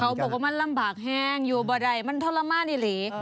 เขาบอกว่ามันลำบากแห้งอยู่บ่ได้มันทรมานอีหลี